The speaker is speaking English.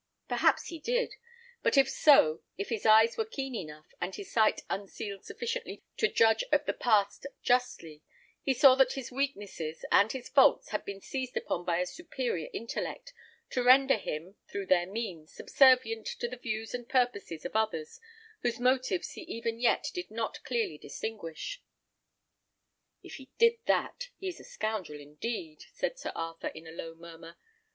Perhaps he did; but if so, if his eyes were keen enough, and his sight unsealed sufficiently to judge of the past justly, he saw that his weaknesses and his faults had been seized upon by a superior intellect, to render him, through their means, subservient to the views and purposes of others whose motives he even yet did not clearly distinguish. "If he did that, he is a scoundrel indeed," said Sir Arthur, in a low murmur.